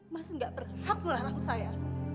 mas enggak berhak melarang saya